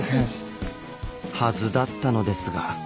はずだったのですが。